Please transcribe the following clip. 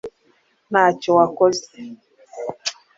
ntacyo wakoze